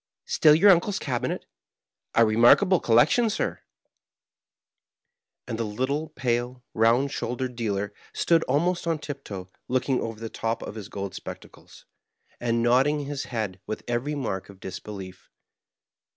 "Still your uncle's cabinet? A remarkable collector, sirl" And the little pale, round shouldered dealer stood almost on tip toe, looking over the top of his gold spec tacles, and nodding his head with every mark of disbe lief.